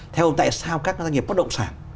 theo tại sao các doanh nghiệp bất động sản